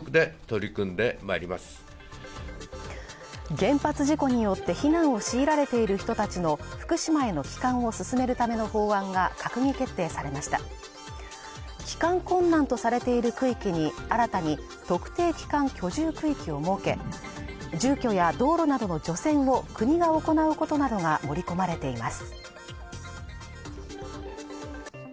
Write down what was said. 原発事故によって避難を強いられている人達の福島への帰還を進めるための法案が閣議決定されました帰還困難とされている区域に新たに特定帰還居住地域を設け住居や道路などの除染を国が行うことなどが盛り込まれています